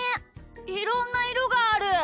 いろんないろがある。